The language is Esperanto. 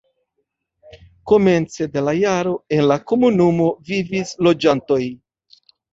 Komence de la jaro en la komunumo vivis loĝantoj.